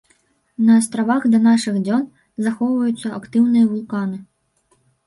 На астравах да нашых дзён захоўваюцца актыўныя вулканы.